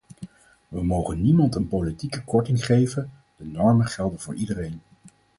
We mogen niemand een politieke korting geven, de normen gelden voor iedereen.